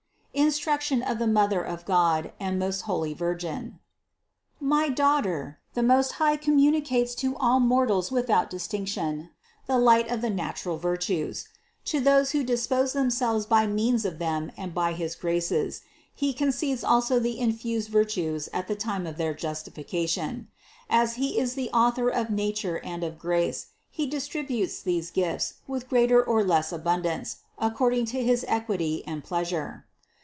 INSTRUCTION OF TH£ MOTHER OF GOD AND MOST HOLY VIRGIN. 486. My daughter, the Most High communicates to all mortals without distinction the light of the natural virtues; to those who dispose themselves by means of THE CONCEPTION 375 them and by his graces, He concedes also the infused virtues at the time of their justification. As He is the Author of nature and of grace, He distributes these gifts with greater or less abundance, according to his equity and pleasure.